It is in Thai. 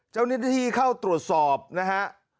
เจ้านิทธิเข้าตรวจสอบนะครับ